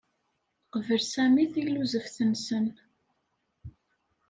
Yeqbel Sami tilluzeft-nnes.